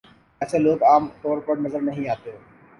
ایسے لوگ عام طور پر نظر نہیں آتے